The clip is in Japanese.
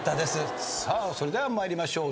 それでは参りましょう。